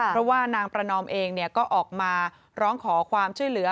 เพราะว่านางประนอมเองก็ออกมาร้องขอความช่วยเหลือ